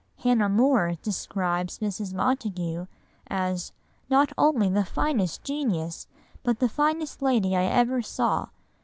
Hannah More describes Mrs. Montagu as "not only the finest genius, but the finest lady I ever saw